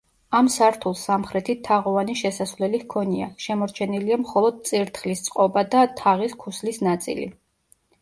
ამ სართულს სამხრეთით თაღოვანი შესასვლელი ჰქონია, შემორჩენილია მხოლოდ წირთხლის წყობა და თაღის ქუსლის ნაწილი.